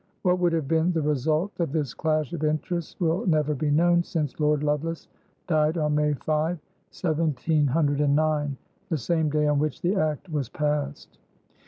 What would have been the result of this clash of interests will never be known, since Lord Lovelace died on May 5, 1709, the same day on which the act was passed.